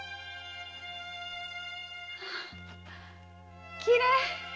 あぁきれい！